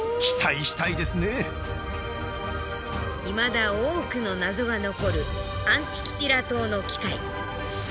いまだ多くの謎が残るアンティキティラ島の機械。